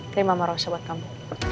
terima marah sobat kamu